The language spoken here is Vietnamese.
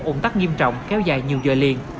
ổn tắc nghiêm trọng kéo dài nhiều giờ liền